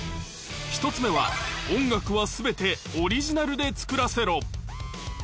１つ目は、音楽はすべてオリジナルで作らせろ。